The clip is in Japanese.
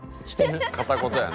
片言やな。